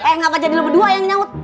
eh ngapain jadi lu berdua yang nyawut